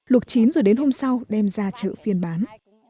lục chín rồi đến hôm sau đem ra chợ phiên bán